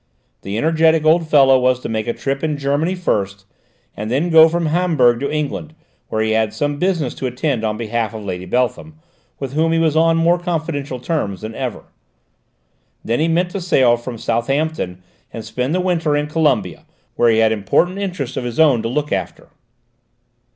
The energetic old fellow was to make a trip in Germany first, and then go from Hamburg to England, where he had some business to attend to on behalf of Lady Beltham, with whom he was on more confidential terms than ever. Then he meant to sail from Southampton and spend the winter in Colombia, where he had important interests of his own to look after.